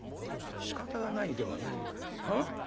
「しかたがないではないか。なあ？